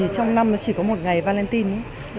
trong năm nó chỉ có một ngày valentine